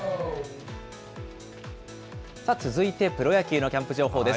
続いて、プロ野球のキャンプ情報です。